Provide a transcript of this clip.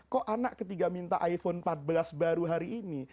kok anak ketiga minta iphone empat belas baru hari ini